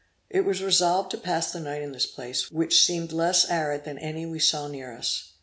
It was resolved to pass the night in this place, which seemed less arid than any we saw near us.